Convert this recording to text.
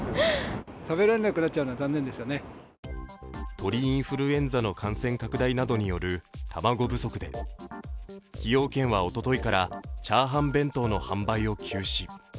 鳥インフルエンザの感染拡大などによる卵不足で崎陽軒はおとといから炒飯弁当の販売を休止。